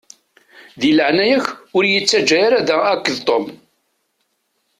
Di leɛnaya-k ur yi-ttaǧǧa ara da akked Tom.